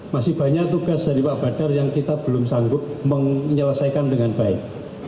masih banyak tugas dari pak badar yang kita belum sanggup menyelesaikan dengan baik